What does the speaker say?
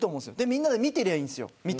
みんなで見てればいいんです。